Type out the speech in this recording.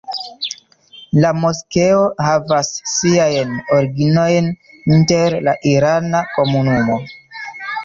La moskeo havas siajn originojn inter la irana komunumo.